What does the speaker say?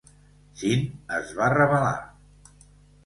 Sindh es va rebel·lar.